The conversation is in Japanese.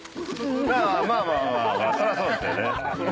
まぁまぁそりゃそうですよね。